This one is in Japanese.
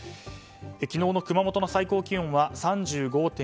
昨日の熊本の最高気温は３５．１度。